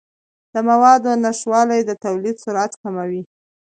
د موادو نشتوالی د تولید سرعت کموي.